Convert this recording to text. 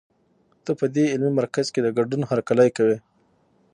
ته په دې علمي مرکز کې د ګډون هرکلی کوي.